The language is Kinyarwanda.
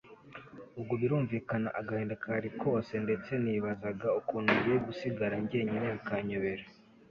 ubwo birumvikana agahinda kari kose ndetse nibazaga ukuntu ngiye gusigara njyenyine bikanyobera